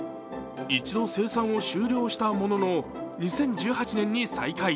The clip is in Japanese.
一度生産を終了したものの２０１８年に再開。